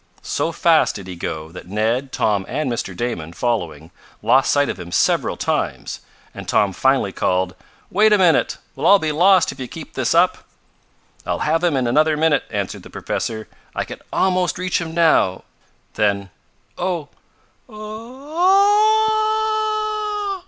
So fast did he go that Ned, Tom and Mr. Damon, following, lost sight of him several times, and Tom finally called: "Wait a minute. We'll all be lost if you keep this up." "I'll have him in another minute," answered the professor. "I can almost reach him now. Then Oh!"